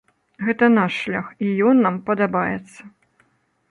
Гэта наш шлях і ён нам падабаецца.